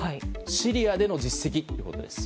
シリアでの実績です。